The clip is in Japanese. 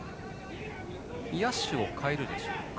野手を代えるでしょうか。